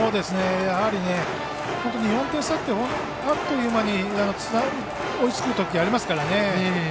やはり、４点差ってあっという間に追いつくときありますからね。